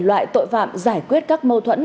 loại tội phạm giải quyết các mâu thuẫn